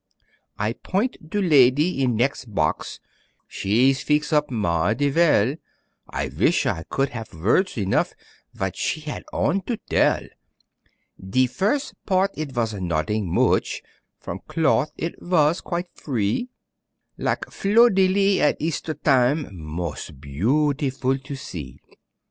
I point to ladee in nex' box, She's feex op mighty vell, I vish I could haf' vords enough Vat she had on to tell; De firs' part it vas nodding moch, From cloth it vas quite free, Lak' fleur de lis at Easter tam', Mos' beautiful to see.